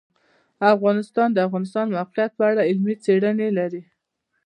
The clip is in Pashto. افغانستان د د افغانستان د موقعیت په اړه علمي څېړنې لري.